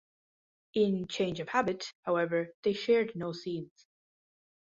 In "Change of Habit", however, they shared no scenes.